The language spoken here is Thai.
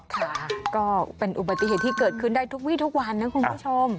ค่ะก็เป็นอุบัติเหตุที่เกิดขึ้นได้ทุกวีทุกวันนะคุณผู้ชม